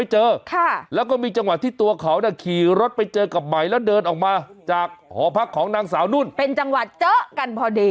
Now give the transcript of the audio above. หอพักของนางสาวนุ่นเป็นจังหวะเจ๊ะกันพอดี